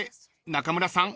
中村さん